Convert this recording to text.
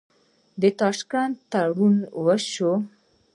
د تاشکند تړون وشو.